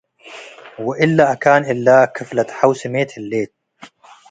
ወእለ አካን እለ፤ “ክፍለት ሐው” ስሚት ህሌት።